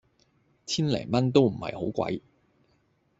千零蚊都唔係好貴